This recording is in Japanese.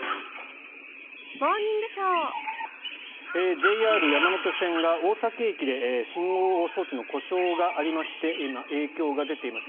ＪＲ山手線が大崎駅で信号装置の故障がありまして今、影響が出ています。